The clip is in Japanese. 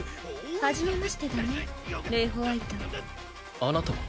はじめましてだねレイ＝ホワイトあなたは？